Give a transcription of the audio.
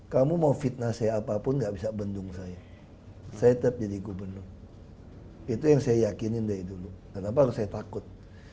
kamu mau fitnah saya apapun gak bisa bendung saya saya tetap jadi gubernur itu yang saya yakinin dari dulu kenapa harus saya takut